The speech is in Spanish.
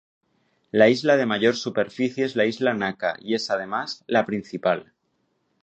La isla de mayor superficie es la Isla Naka y es además, la principal.